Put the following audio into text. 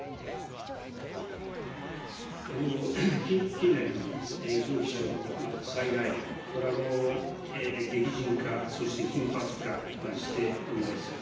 近年、異常気象、また災害、激甚化、そして頻発化しております。